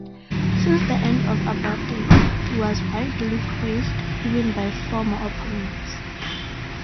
Since the end of apartheid, he was widely praised, even by former opponents.